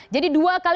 jadi dua kali